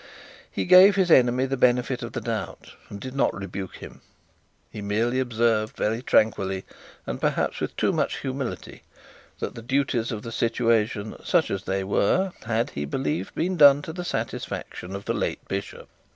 He gave his enemy the benefit of the doubt, and did not rebuke him. He merely observed, very tranquilly, and perhaps with too much humility, that the duties of the situation, such as they were, had, he believed, been done to the satisfaction of the late bishop.